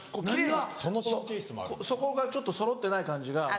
奇麗にそこがちょっとそろってない感じが。